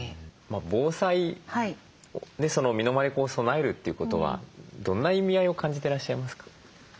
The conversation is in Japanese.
防災身の回りを備えるということはどんな意味合いを感じてらっしゃいますか？